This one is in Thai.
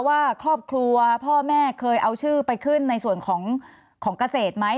ว่าครอบครัวพ่อแม่เคยเอาชื่อไปขึ้นในส่วนของเกษตรไหม